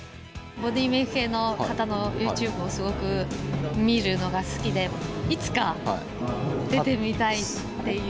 ボディメイク系の方のユーチューブをすごく見るのが好きで、いつか出てみたいっていう。